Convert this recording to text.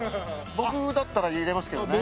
僕だったら入れますけどね。